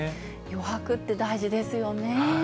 余白って大事ですよね。